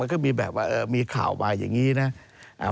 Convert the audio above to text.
ก็มีแบบว่ามีข่าวมาอย่างนี้นะ